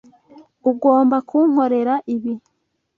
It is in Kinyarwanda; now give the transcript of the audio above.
Ugomba kunkorera ibi.